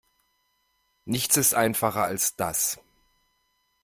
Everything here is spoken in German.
Nichts ist einfacher als das.